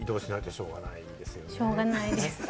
しょうがないです。